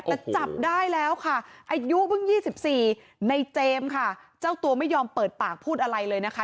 แต่จับได้แล้วค่ะอายุเพิ่ง๒๔ในเจมส์ค่ะเจ้าตัวไม่ยอมเปิดปากพูดอะไรเลยนะคะ